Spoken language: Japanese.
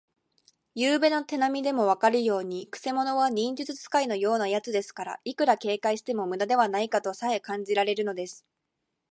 ゆうべの手なみでもわかるように、くせ者は忍術使いのようなやつですから、いくら警戒してもむだではないかとさえ感じられるのです。